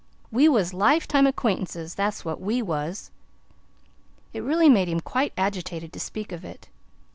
We was lifetime acquaintances that's what WE was." It really made him feel quite agitated to speak of it.